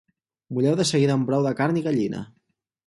Mulleu de seguida amb brou de carn i gallina